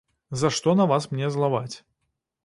За што на вас мне злаваць.